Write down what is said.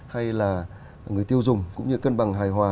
hay là người tiêu dùng cũng như cân bằng hài hòa